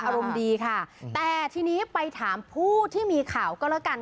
อารมณ์ดีค่ะแต่ทีนี้ไปถามผู้ที่มีข่าวก็แล้วกัน